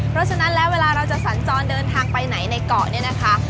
เพราะฉะนั้นแล้วเวลาเราจะสัญจรเดินทางไปไหนในเกาะเนี่ยนะคะ